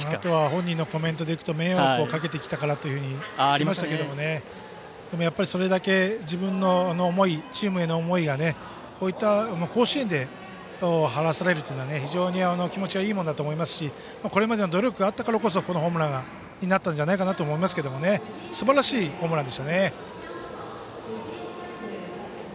本人のコメントでいくと迷惑をかけてきたからと言ってましたがでもやっぱりそれだけ自分の思いチームへの思いがねこういった甲子園で晴らされるというのは気持ちがいいものだと思いますしこれまでの努力があったからこそこのホームランになったんじゃないかと思いますがすばらしいホームランでしたね。